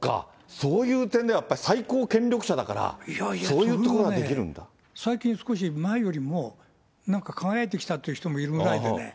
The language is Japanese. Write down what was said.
そういう点では、やっぱり最高権力者だから、そういうことができ最近、少し前よりも、なんか輝いてきたっていう人もいるぐらいでね。